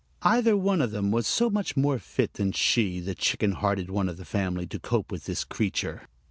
Either of them was so much more fit than she, the chicken hearted one of the family, to cope with this creature.